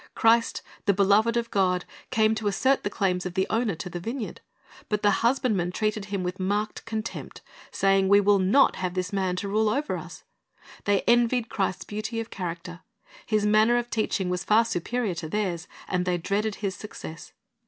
Christ, the Beloved of God, came to assert the claims of the Owner of the vineyard; but the husbandmen treated Him with marked contempt, saying. We will not have this man to rule over us. They envied Christ's beauty of character. His manner of teaching was far superior to theirs, and they dreaded His success.